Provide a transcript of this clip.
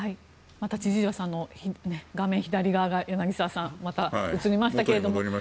千々岩さんの画面左側が柳澤さん、また映りましたが。